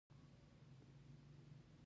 بیا هغه بل درخت ته لاړ.